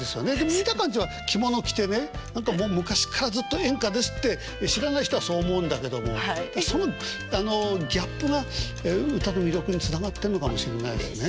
見た感じは着物着てね何かもう昔からずっと演歌ですって知らない人はそう思うんだけどもそのギャップが歌の魅力につながってんのかもしれないですね。